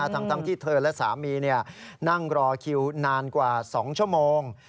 ทั้งที่เธอและสามีนั่งรอคิวนานกว่า๒ชั่วโมง